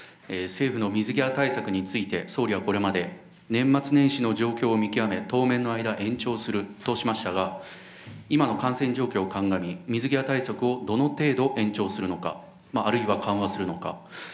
政府の水際対策について、総理はこれまで年末年始の状況を見極め、当面の間、延長するとしましたが、今の感染状況を鑑み、水際対策をどの程度延長するのか、あるいは緩和するのか。